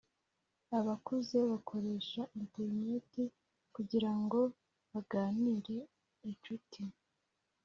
abakuze bakoresha interineti kugira ngo baganire incuti.